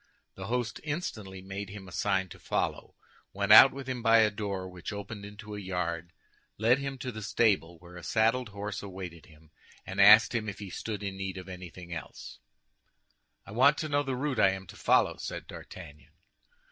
The host instantly made him a sign to follow, went out with him by a door which opened into a yard, led him to the stable, where a saddled horse awaited him, and asked him if he stood in need of anything else. "I want to know the route I am to follow," said D'Artagnan.